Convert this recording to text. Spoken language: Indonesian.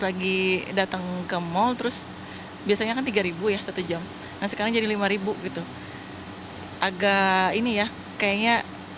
lagi datang ke mal terus biasanya kan tiga ribu ya satu jam nah sekarang jadi lima ribu gitu agak ini ya kayaknya